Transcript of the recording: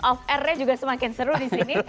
off air nya juga semakin seru di sini